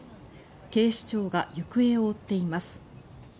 警視庁が行方を追っています。